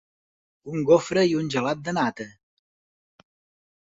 Un gofre i un gelat de nata.